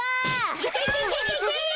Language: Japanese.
いけいけいけいけ！